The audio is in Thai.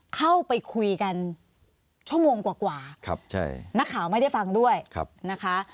เข้าไปคุยกันชั่วโมงกว่านักข่าวไม่ได้ฟังด้วยนะคะ